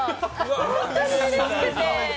本当にうれしくて。